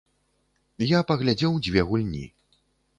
Я паглядзеў дзве гульні.